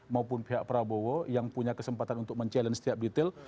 maupun pihak prabowo yang punya kesempatan untuk mencabar detail